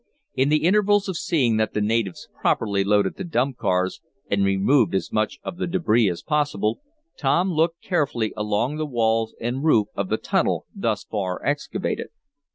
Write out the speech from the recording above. In the intervals of seeing that the natives properly loaded the dump cars, and removed as much of the debris as possible, Tom looked carefully along the walls and roof of the tunnel thus far excavated.